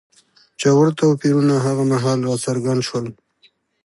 ژور توپیرونه هغه مهال راڅرګند شول